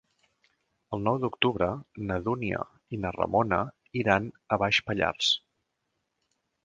El nou d'octubre na Dúnia i na Ramona iran a Baix Pallars.